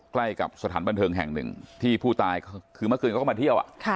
ใกล้กับสถานบันเทิงแห่งหนึ่งที่ผู้ตายคือเมื่อคืนเขาก็มาเที่ยว